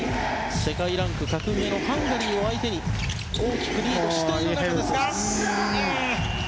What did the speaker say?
世界ランク格上のハンガリーを相手に大きくリードしています。